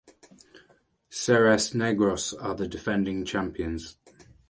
Ceres–Negros are the defending champions.